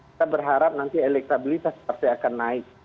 kita berharap nanti elektabilitas partai akan naik